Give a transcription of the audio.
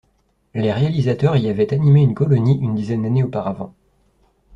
Les réalisateurs y avaient animé une colonie une dizaine d'années auparavant.